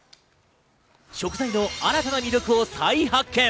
食材の新たな魅力を再発見！